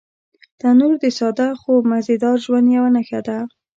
تنور د ساده خو مزيدار ژوند یوه نښه ده